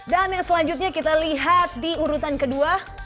dan yang selanjutnya kita lihat di urutan kedua